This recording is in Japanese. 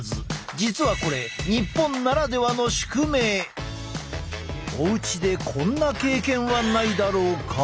実はこれおうちでこんな経験はないだろうか。